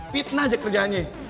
fitnah aja kerjaannya